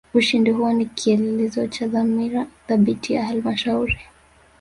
ushindi huo ni kieelezo cha dhamira thabiti ya halmashauri